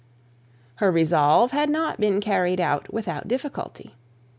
Her resolve had not been carried out without difficulty.